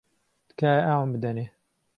تکایە ئاوم بدەنێ.